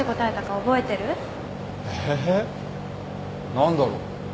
何だろう。